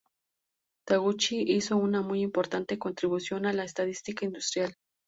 Taguchi hizo una muy importante contribución a la estadística industrial.